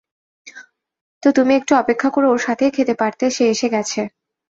তো তুমি একটু অপেক্ষা করে ওর সাথেই খেতে পারতে সে এসে গেছে!